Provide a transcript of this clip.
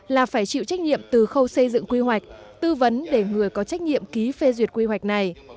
là phải chịu trách nhiệm từ khâu xây dựng quy hoạch tư vấn để người có trách nhiệm ký phê duyệt quy hoạch này